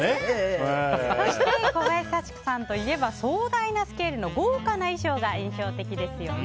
そして小林幸子さんといえば壮大なスケールの豪華な衣装が印象的ですよね。